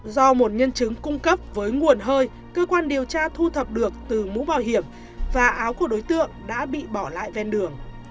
do một nhân chứng cung cấp với nguồn hơi cơ quan điều tra thu thập được từ mũ bảo hiểm và áo của đối tượng đã bị bỏ lại ven đường